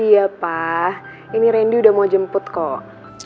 iya pak ini randy udah mau jemput kok